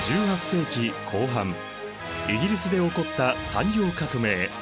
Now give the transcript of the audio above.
１８世紀後半イギリスで起こった産業革命。